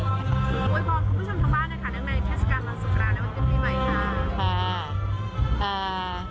คุณผู้ชมทั้งบ้านนะคะเนื่องในเทศกาลสงกรานวันนี้เป็นที่ใหม่ค่ะ